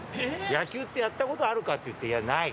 野球ってやったことあるかって言って、いや、ない。